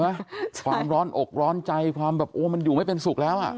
ความร้อนอกร้อนใจความแบบโอ้มันอยู่ไม่เป็นสุขแล้วอ่ะ